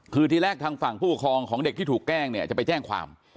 คือที่แรกทางฝั่งผู้ปกครองของเด็กที่ถูกแกล้งเนี่ยจะไปแจ้งความ